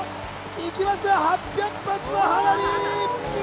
行きますよ、８００発の花火！